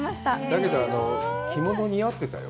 だけど、着物似合ってたよ。